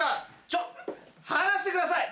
ちょっ放してください！